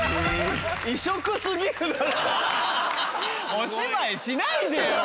お芝居しないでよ。